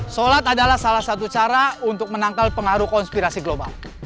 solat adalah salah satu cara untuk menangkal pengaruh konspirasi global